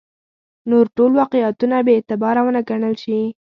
نور ټول واقعیتونه بې اعتباره ونه ګڼل شي.